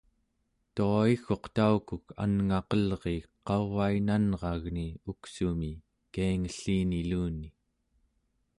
tua-i-gguq taukuk anngaqelriik qavainanragni uksumi kiangelliniluni